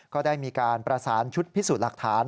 ก็ได้มีการประสานชุดพิสูจน์หลักฐาน